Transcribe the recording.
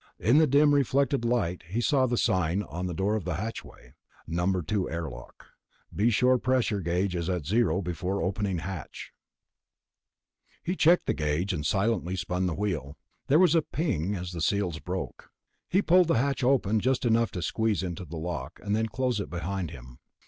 In the dim reflected light he saw the sign on the door of the hatchway: No. 2 Airlock BE SURE PRESSURE GAUGE IS AT ZERO BEFORE OPENING HATCH He checked the gauge, silently spun the wheel. There was a ping as the seals broke. He pulled the hatch open just enough to squeeze into the lock, then closed it behind him.